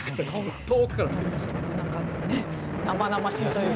すごく生々しいというか。